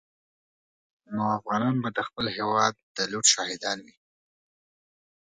نو افغانان به د خپل هېواد د لوټ شاهدان وي.